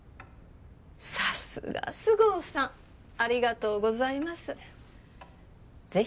さすが菅生さんありがとうございますいえ